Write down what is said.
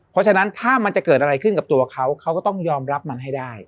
เพราะฉะนั้นถ้ามันจะเกิดอะไรขึ้นกับตัวเขาเขาก็ต้องยอมรับมันให้ได้